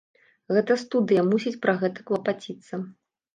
Гэта студыя мусіць пра гэта клапаціцца.